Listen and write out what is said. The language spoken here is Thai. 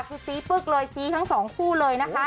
คือซี้ปึ๊กเลยซี้ทั้งสองคู่เลยนะคะ